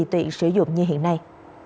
các bệnh viện sử dụng như hiện nay